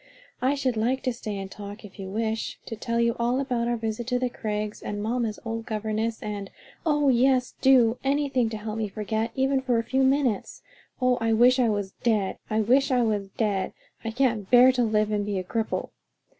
"I should like to stay and talk if you wish; to tell you all about our visit to the Crags, and mamma's old governess, and " "Oh, yes, do; anything to help me to forget, even for a few minutes. Oh, I wish I was dead! I wish I was dead! I can't bear to live and be a cripple!"